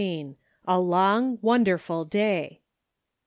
A LONG, WONDERFUL DAY.